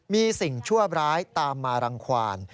มีสิ่งชั่วร้ายตามมารังความ